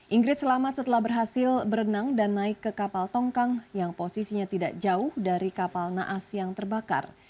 ingrid selamat setelah berhasil berenang dan naik ke kapal tongkang yang posisinya tidak jauh dari kapal naas yang terbakar